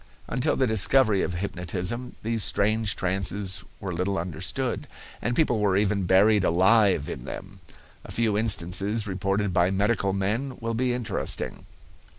Until the discovery of hypnotism these strange trances were little understood, and people were even buried alive in them. A few instances reported by medical men will be interesting.